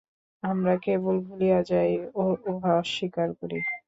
আমরা কেবল ভুলিয়া যাই ও উহা অস্বীকার করি।